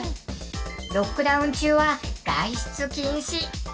ロックダウン中は外出禁止。